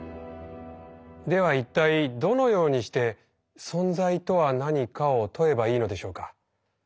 では一体どのようにして「存在とは何か」を問えばいいのでしょうか？